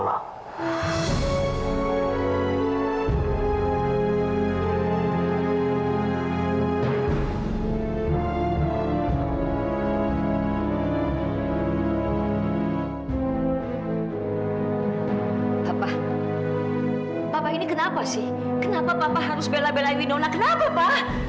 papa papa ini kenapa sih kenapa papa harus bela belai widona kenapa pa